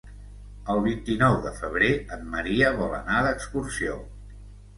El vint-i-nou de febrer en Maria vol anar d'excursió.